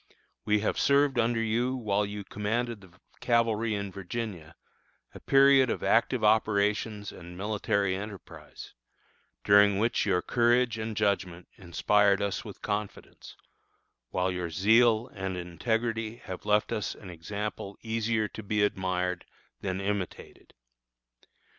We have served under you while you commanded the cavalry in Virginia a period of active operations and military enterprise during which your courage and judgment inspired us with confidence, while your zeal and integrity have left us an example easier to be admired than imitated.